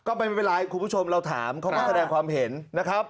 ก็ไม่เป็นไรคุณผู้ชมเราถามเขาก็แสดงความเห็นนะครับ